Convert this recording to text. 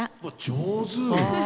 上手！